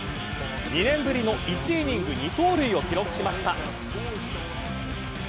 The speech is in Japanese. ２年ぶりの１イニング２盗塁を記録しました。